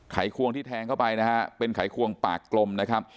ควงที่แทงเข้าไปนะฮะเป็นไขควงปากกลมนะครับ